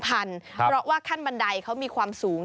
เพราะว่าขั้นบันไดเขามีความสูง